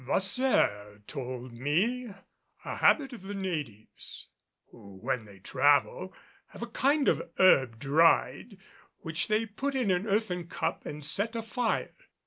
Vasseur told me a habit of the natives who when they travel have a kind of herb dried, which they put in an earthen cup and set a fire.